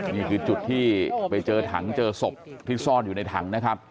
นี่คือจุดที่ไปเจอถังเจอศพที่ซ่อนอยู่ในถังนะครับ